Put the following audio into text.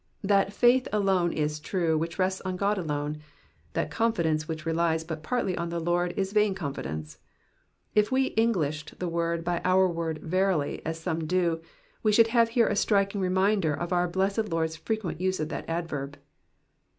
That faith alone is true which rests on God alone, that confidence which relies but partly on the Lord is vain confidence. If we EDglished the word by our word ^^ verily,^ ^ as some do, we should have here a striking reminder of our blessed Lord's frequent use of that adverb.